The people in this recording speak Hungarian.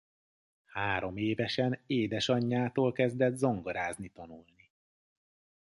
Háromévesen édesanyjától kezdett zongorázni tanulni.